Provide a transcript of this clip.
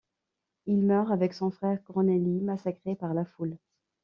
Il meurt avec son frère Cornelis massacré par la foule.